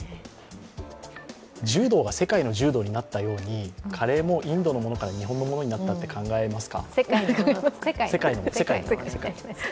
柔道が世界の柔道になったようにカレーもインドのものから日本のものになったと考えますか？